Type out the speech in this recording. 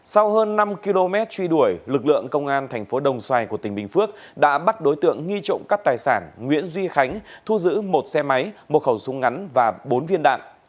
sau hơn năm km truy đuổi lực lượng công an thành phố đồng xoài của tỉnh bình phước đã bắt đối tượng nghi trộm cắp tài sản nguyễn duy khánh thu giữ một xe máy một khẩu súng ngắn và bốn viên đạn